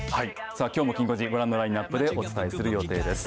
さあきょうもきん５時、ご覧のラインアップでお伝えする予定です。